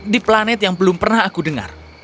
di planet yang belum pernah aku dengar